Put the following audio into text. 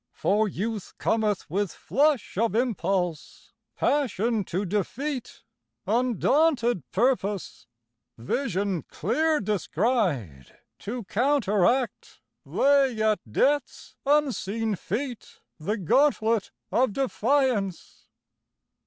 For Youth cometh With flush of impulse, passion to defeat, Undaunted purpose, vision clear descried, To counteract, lay at Death's unseen feet The gauntlet of defiance.